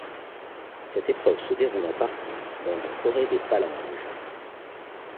Cette épreuve se déroule en partie dans la forêt des Palanges.